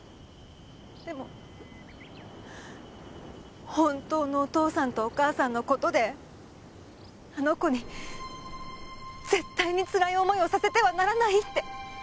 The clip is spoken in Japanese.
でも本当のお父さんとお母さんの事であの子に絶対につらい思いをさせてはならないって。